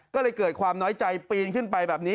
ก็เลยเกิดความน้อยใจปีนขึ้นไปแบบนี้